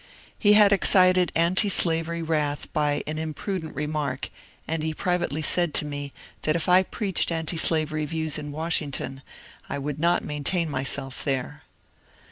He had excited antislavery wrath by an imprudent remark, and he privately said to me that if I preached antislavery views in Washington I would not maintain myself there.